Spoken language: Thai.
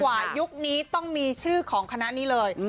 อย่างใดไว้อย่างี้ต้องมีชื่อของคณะนี้เลย